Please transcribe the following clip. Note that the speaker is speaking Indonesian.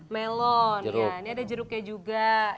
melon ya ini ada jeruknya juga